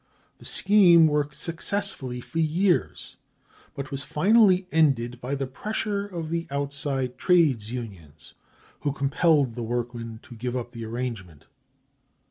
The scheme worked successfully for years, but was finally ended by the pressure of the outside trades unions, who compelled the workmen to give up the arrangement.